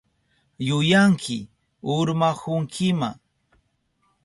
Yuyanki urmahunkima.